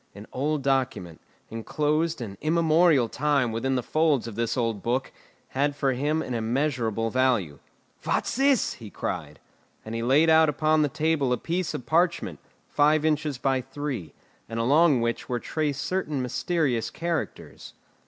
An old document, enclosed an immemorial time within the folds of this old book, had for him an immeasurable value. "What's this?" he cried. And he laid out upon the table a piece of parchment, five inches by three, and along which were traced certain mysterious characters.